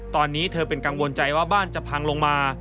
ตอนนี้เธอเป็นกังวลใจว่าบ้านจะพังลงมา